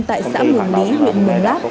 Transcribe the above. tại xã mường lý huyện mường láp